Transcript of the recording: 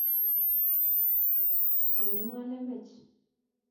Amemwaa lembech